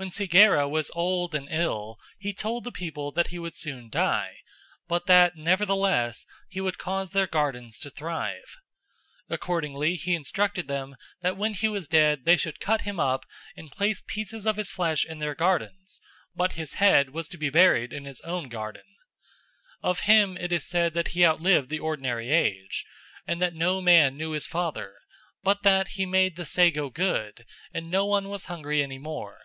When Segera was old and ill, he told the people that he would soon die, but that, nevertheless, he would cause their gardens to thrive. Accordingly, he instructed them that when he was dead they should cut him up and place pieces of his flesh in their gardens, but his head was to be buried in his own garden. Of him it is said that he outlived the ordinary age, and that no man knew his father, but that he made the sago good and no one was hungry any more.